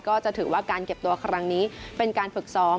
ก็จะถือว่าการเก็บตัวครั้งนี้เป็นการฝึกซ้อม